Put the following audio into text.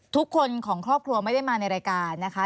ทุกคนของครอบครัวไม่ได้มาในรายการนะคะ